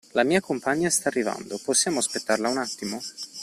La mia compagna sta arrivando, possiamo aspettarla un attimo?